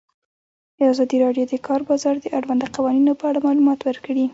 ازادي راډیو د د کار بازار د اړونده قوانینو په اړه معلومات ورکړي.